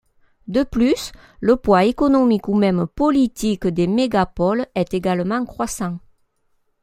De plus, le poids économique ou même politique des mégapoles est également croissant.